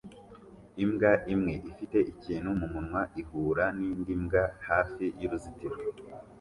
Imbwa imwe ifite ikintu mumunwa ihura nindi mbwa hafi y'uruzitiro